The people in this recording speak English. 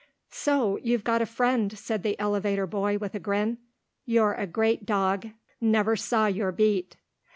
"So you've got a friend," said the elevator boy with a grin. "You're a great dog. Never saw your beat."